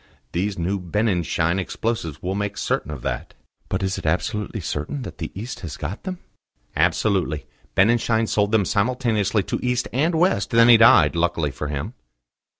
These new Benninschein explosives will make certain of that." "But is it absolutely certain that the East has got them?" "Absolutely. Benninschein sold them simultaneously to East and West; then he died, luckily for him."